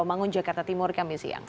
mangun jakarta timur kami siang